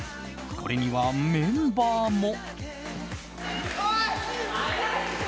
これにはメンバーも。